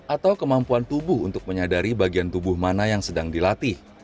atau kemampuan tubuh untuk menyadari bagian tubuh mana yang sedang dilatih